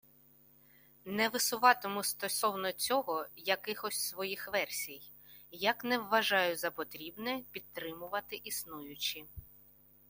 Не висуватиму стосовно цього якихось своїх версій, як не вважаю за потрібне підтримувати існуючі